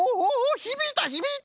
ひびいたひびいた！